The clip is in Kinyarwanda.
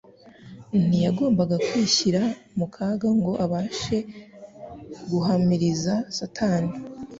Ntiyagombaga kwishyira mu kaga ngo abashe guhamiriza Satani.